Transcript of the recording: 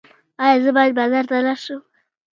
ایا زه باید بازار ته لاړ شم؟